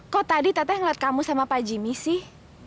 kok tadi teteh ngeliat kamu sama pak jimmy sih